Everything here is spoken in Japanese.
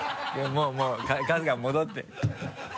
もうもう春日戻って。